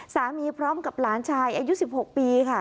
พร้อมกับหลานชายอายุ๑๖ปีค่ะ